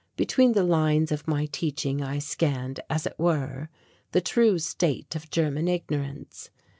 Between the lines of my teaching, I scanned, as it were, the true state of German ignorance.